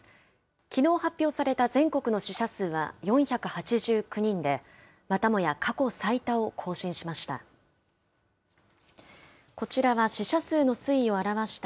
きのう発表された全国の死者数は４８９人で、またもや過去最多を更新しました。